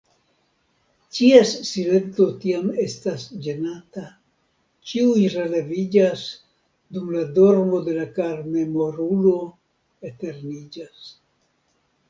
Ĉies silento tiam estas ĝenata; Ĉiuj releviĝas, dum la dormo de karmemorulo eterniĝas.